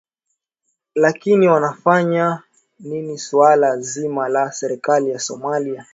lakini wanafanya nini suala zima la serikali ya somalia